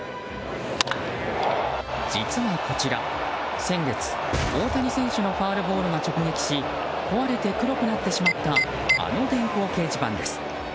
実はこちら、先月大谷選手のファウルボールが直撃し壊れて黒くなってしまったあの電光掲示板です。